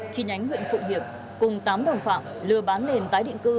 chi nhánh nguyễn phụ hiệp cùng tám đồng phạm lừa bán nền tái định cư